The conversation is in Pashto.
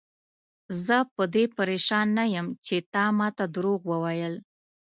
زه په دې پریشان نه یم چې تا ماته دروغ وویل.